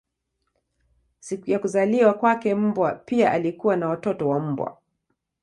Siku ya kuzaliwa kwake mbwa pia alikuwa na watoto wa mbwa.